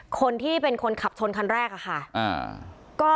คนที่เป็นคนขับชนคันแรกค่ะ